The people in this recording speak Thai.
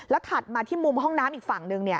ถัดมาที่มุมห้องน้ำอีกฝั่งหนึ่ง